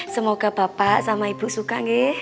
semoga bapak sama ibu suka ngeh